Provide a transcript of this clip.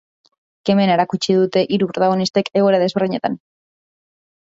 Kemena erakutsi dute hiru protagonistek egoera desberdinetan.